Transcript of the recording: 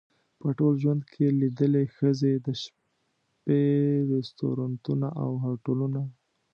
په ټول ژوند کې لیدلې ښځې د شپې رستورانتونه او هوټلونه.